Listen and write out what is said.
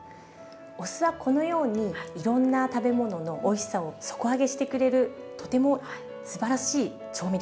お酢はこのようにいろんな食べ物のおいしさを底上げしてくれるとてもすばらしい調味料なんです。